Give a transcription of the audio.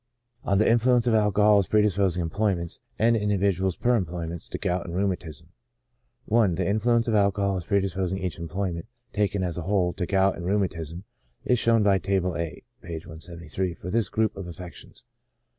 On the Influence of Alcbhol as predisposing Employments^ and Individuals per Employments^ to Gout and Rheumatism, I . The influence of alcohol as predisposing each employment ,^ taken as a whole^ to gout and rheumatism^ is shown by Table A (p. 173) for this group of affections.